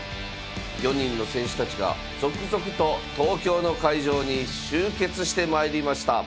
４人の戦士たちが続々と東京の会場に集結してまいりました。